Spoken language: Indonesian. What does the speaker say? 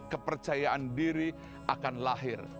kepercayaan diri akan lahir